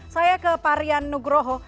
saya ke parian nugroho